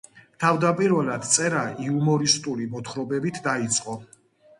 თავდაპირველად წერა იუმორისტული მოთხრობებით დაიწყო.